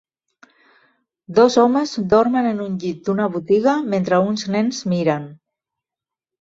Dos homes dormen en un llit d'una botiga mentre uns nens miren.